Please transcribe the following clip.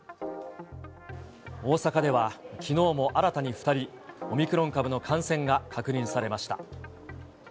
大阪ではきのうも新たに２人、オミクロン株の感染が確認されました。